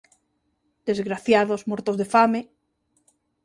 Desgraciados, mortos de fame.